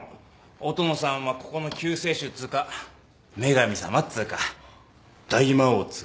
音野さんはここの救世主っつうか女神様っつうか大魔王っつうかね。